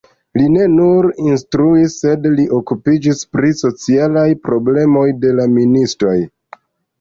Li ne nur instruis, sed li okupiĝis pri socialaj problemoj de la ministoj.